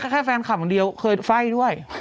ใช่แค่แฟนคลับคนเดียวเขาไฟ้ด้วย